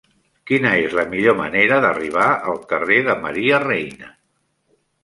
Quina és la millor manera d'arribar al carrer de Maria Reina?